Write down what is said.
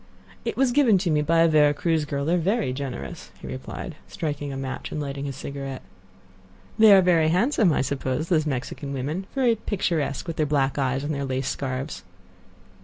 "It was given to me by a Vera Cruz girl; they are very generous," he replied, striking a match and lighting his cigarette. "They are very handsome, I suppose, those Mexican women; very picturesque, with their black eyes and their lace scarfs."